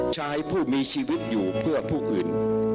ชายผู้มีชีวิตอยู่เพื่อผู้อื่น